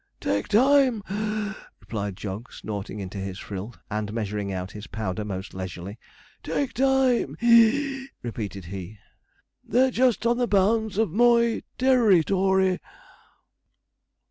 'Take time (puff), replied Jog, snorting into his frill, and measuring out his powder most leisurely. 'Take time (wheeze),' repeated he; 'they're just on the bounds of moy ter ri to ry.'